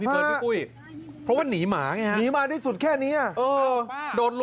พี่เบิร์นพี่กุ้ยเพราะว่านี่หมาไงหมานี่สุดแค่นี้โอ้โหโอ้โห